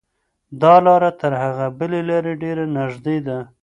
دا لاره تر هغې بلې لارې ډېره نږدې ده.